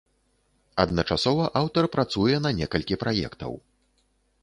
Адначасова аўтар працуе на некалькі праектаў.